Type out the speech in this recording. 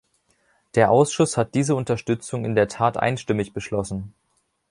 Der Ausschuss hat diese Unterstützung in der Tat einstimmig beschlossen.